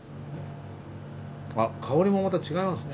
あ香りもまた違いますね。